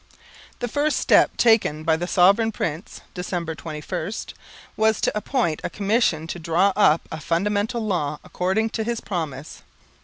The first step taken by the Sovereign Prince (December 21) was to appoint a Commission to draw up a Fundamental Law according to his promise.